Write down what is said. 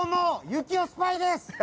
行雄スパイです。